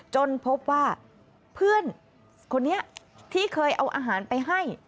จนพบว่าเพื่อนคนนี้ที่เคยเอาอาหารไปให้